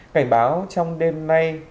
cảnh báo trong đêm nay